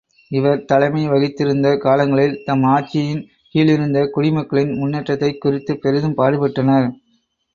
இவர் தலைமை வகித்திருந்த காலங்களில் தம் ஆட்சியின் கீழிருந்த குடிமக்களின் முன்னேற்றத்தைக் குறித்துப் பெரிதும் பாடுபட்டனர்.